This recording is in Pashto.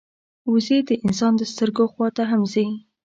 وزې د انسان د سترګو خوا ته هم ځي